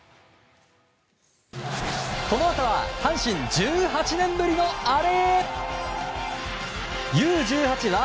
このあとは阪神１８年ぶりのアレ。